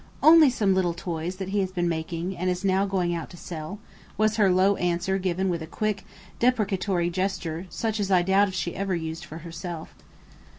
"Only some little toys that he has been making, and is now going out to sell," was her low answer given with a quick deprecatory gesture such as I doubt if she ever used for herself.